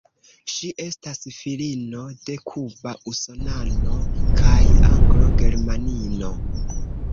Ŝi estas filino de kuba usonano kaj anglo-germanino.